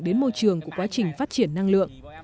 đến môi trường của quá trình phát triển năng lượng